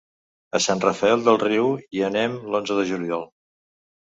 A Sant Rafel del Riu hi anem l'onze de juliol.